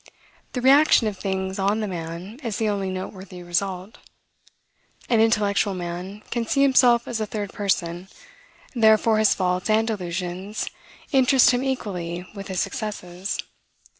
The reaction of things on the man is the only noteworthy result. An intellectual man can see himself as a third person; therefore his faults and delusions interest him equally with his successes.